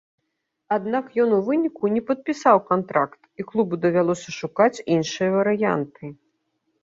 Аднак ён у выніку не падпісаў кантракт, і клубу давялося шукаць іншыя варыянты.